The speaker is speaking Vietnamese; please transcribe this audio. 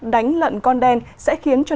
đánh lận con đen sẽ khiến cho